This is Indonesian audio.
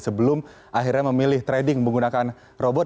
sebelum akhirnya memilih trading menggunakan robot